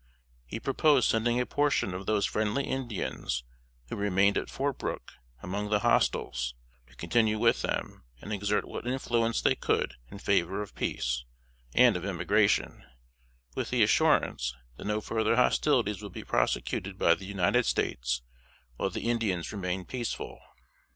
He proposed sending a portion of those friendly Indians who remained at Fort Brooke, among the hostiles, to continue with them, and exert what influence they could in favor of peace and of emigration; with the assurance, that no further hostilities would be prosecuted by the United States while the Indians remained peaceful.